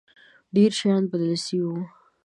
ډېر شيان بدل سوي وو.